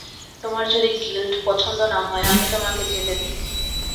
তোমার যদি গিল্ড পছন্দ না হয়, আমি তোমাকে যেতে দেব।